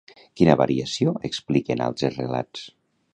Quina variació expliquen altres relats?